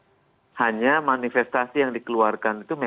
ya hanya manifestasi yang dikeluarkan itu memang